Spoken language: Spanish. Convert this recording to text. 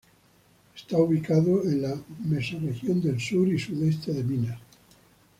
Está ubicado en la Mesorregión del Sur y Sudoeste de Minas.